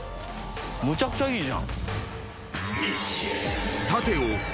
むちゃくちゃいいじゃん。